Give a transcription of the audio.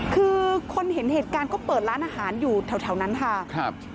คือคนเห็นเหตุการณ์ก็เปิดร้านอาหารอยู่แถวนั้นค่ะครับ